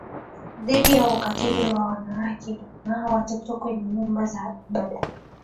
dhidi ya ukatili wa wanawake na watoto kwenye nyumba za ibada